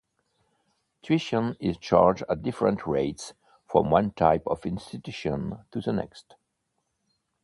Tuition is charged at different rates from one type of institution to the next.